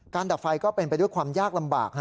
ดับไฟก็เป็นไปด้วยความยากลำบาก